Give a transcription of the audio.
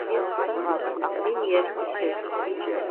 Мин йәш кеше.